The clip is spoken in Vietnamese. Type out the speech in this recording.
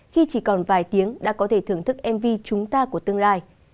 khi chỉ còn vài tiếng đã có thể thưởng thức mv chúng ta của tương lai